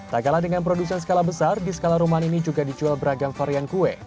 tak kalah dengan produsen skala besar di skala rumahan ini juga dijual beragam varian kue